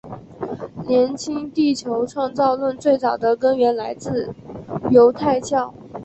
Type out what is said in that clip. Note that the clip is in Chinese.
年轻地球创造论最早的根源来自犹太教。